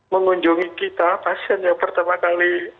mengunjungi kita pasien yang pertama kali